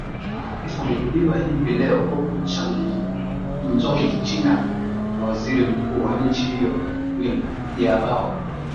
ifunguliwa hivi leo huko changzou china na waziri mkuu wa nchi hiyo win jiabao